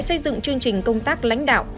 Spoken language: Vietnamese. xây dựng chương trình công tác lãnh đạo